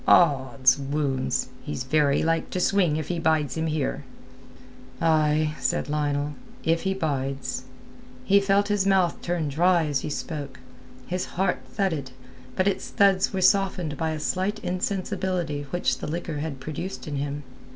"Od's wounds! He's very like to swing if he bides him here." "Ay," said Lionel, "if he bides." He felt his mouth turn dry as he spoke; his heart thudded, but its thuds were softened by a slight insensibility which the liquor had produced in him.